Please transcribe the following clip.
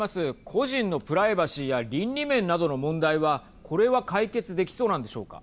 個人のプライバシーや倫理面などの問題はこれは解決できそうなんでしょうか。